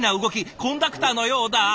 コンダクターのようだ！